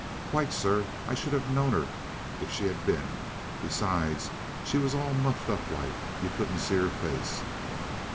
"Quite, sir. I should have known 'er if she had been. Besides, she was all muffled up like. You couldn't see 'er face."